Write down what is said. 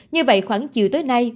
như vậy khoảng chiều tới nay